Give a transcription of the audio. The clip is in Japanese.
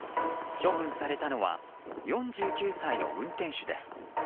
処分されたのは４９歳の運転手です。